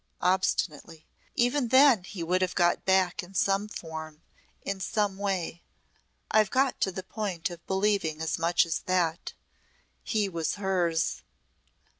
obstinately, "even then he would have got back in some form in some way. I've got to the point of believing as much as that. He was hers!"